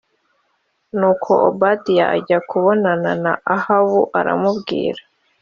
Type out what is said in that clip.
Nuko Obadiya ajya kubonana na Ahabu arabimubwira